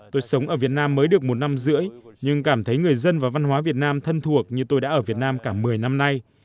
tôi sống ở việt nam mới được một năm rưỡi nhưng cảm thấy người dân và văn hóa việt nam thân thuộc như tôi đã ở việt nam cả một mươi năm nay